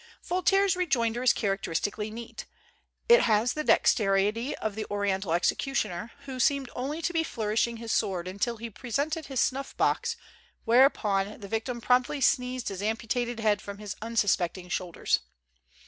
Voltaire's rejoinder is characteristically neat. It has the dexterity of the Oriental executioner, who seemed only to be flourishing his sword until he presented his snuff box, whereupon the victim promptly sneezed his amputated head from his unsuspecting shoulders.